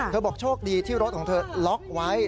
บอกโชคดีที่รถของเธอล็อกไว้